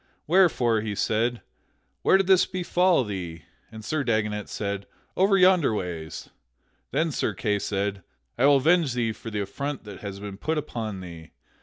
Wherefore he said, "Where did this befall thee?" And Sir Dagonet said, "Over yonder ways." Then Sir Kay said: "I will avenge thee for the affront that hath been put upon thee.